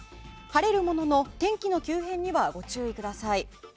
晴れるものの天気の急変にはご注意ください。